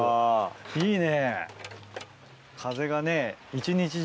いいね。